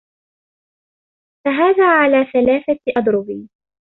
فَهَذَا عَلَى ثَلَاثَةِ أَضْرُبٍ